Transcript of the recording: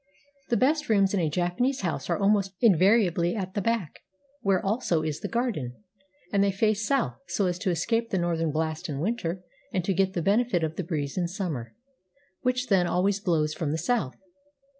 The best rooms in a Japanese house are almost invariably at the back, where also is the garden; and they face south, so as to escape the northern blast in winter and to get the benefit of the breeze in summer, which then always blows from the south.